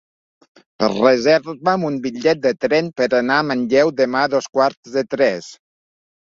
Reserva'm un bitllet de tren per anar a Manlleu demà a dos quarts de tres.